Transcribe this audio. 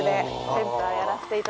センター